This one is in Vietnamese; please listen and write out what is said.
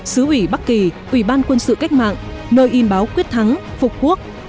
xứ ủy bắc kỳ ủy ban quân sự cách mạng nơi in báo quyết thắng phục quốc